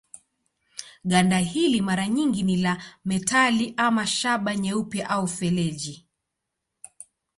Ganda hili mara nyingi ni ya metali ama shaba nyeupe au feleji.